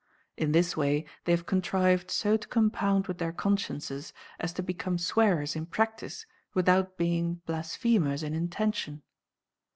In this way they have contrived so to compound with their consciences as to become swearers in practice without being blasphemers in intention.